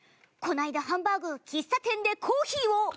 この間ハンバーグ喫茶店でコーヒーを。